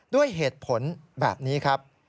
ด้วยเหตุผลแบบนี้ครับ